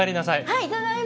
はいただいま！